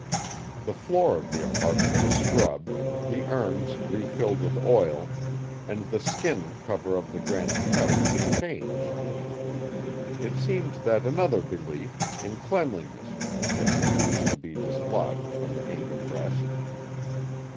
The floor of the apartment was scrubbed, the urns refilled with oil, and the skin cover of the granite couch was changed. It seemed that another belief in cleanliness had refused to be dislodged from the Inca breast.